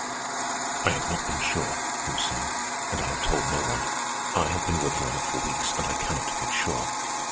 "I have not been sure," he was saying, "and I have told no one. I have been working on it for weeks, and I cannot make sure.